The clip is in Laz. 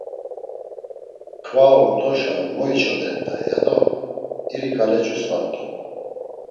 Kva ordoşa mo içodert̆ay, ya do iri ǩale cusvart̆u.